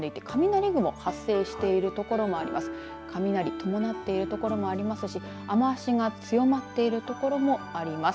雷、伴っている所もありますし雨足が強まっている所もあります。